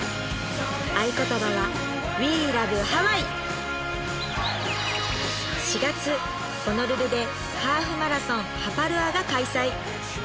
合言葉は４月ホノルルでハーフマラソン・ハパルアが開催